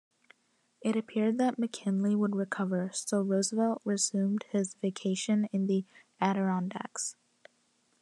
It appeared that McKinley would recover, so Roosevelt resumed his vacation in the Adirondacks.